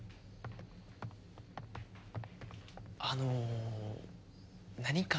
あの何か？